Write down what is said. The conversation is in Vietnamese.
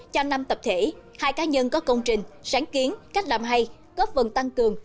cho năm tập thể hai cá nhân có công trình sáng kiến cách làm hay góp vần tăng cường